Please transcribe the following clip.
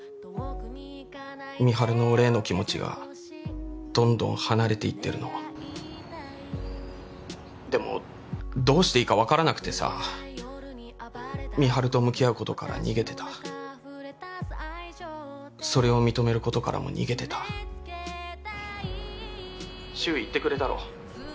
美晴の俺への気持ちがどんどん離れていってるのでもどうしていいか分からなくてさ美晴と向き合うことから逃げてたそれを認めることからも逃げてた☎柊言ってくれたろ？